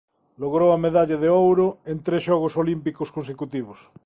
Logrou a medalla de ouro en tres xogos olímpicos consecutivos.